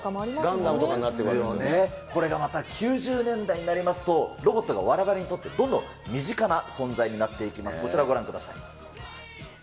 ガンダムとかになってくるわこれがまた９０年代になりますと、ロボットがわれわれにとってどんどん身近な存在になっていきます、こちらをご覧ください。